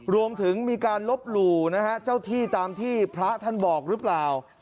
รวมถึงมีการลบหลู่นะฮะเจ้าที่ตามที่พระท่านบอกหรือเปล่า